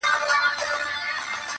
اوس به څه وايي زامنو ته پلرونه٫